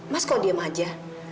mas kok diam aja